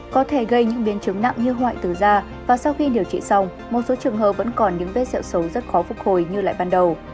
có thể gây những biến chứng nặng như hoại tử da và sau khi điều trị xong một số trường hợp vẫn còn những vết sẹo xấu rất khó phục hồi như lại ban đầu